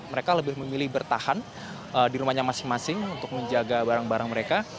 mereka lebih memilih bertahan di rumahnya masing masing untuk menjaga barang barang mereka